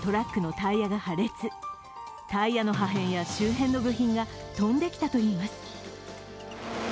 タイヤの破片や周辺の部品が飛んできたといいます。